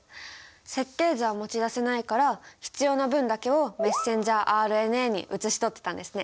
設計図は持ち出せないから必要な分だけをメッセンジャーＲＮＡに写し取ってたんですね。